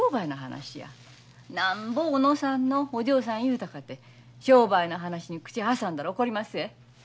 なんぼ小野さんのお嬢さんいうたかて商売の話に口挟んだら怒りまっせ。